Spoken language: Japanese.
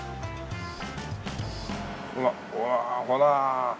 ほらうわあほら！